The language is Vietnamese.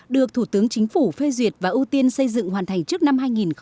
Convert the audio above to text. được thủ tướng chính phủ phê duyệt và ưu tiên xây dựng hoàn thành trước năm hai nghìn hai mươi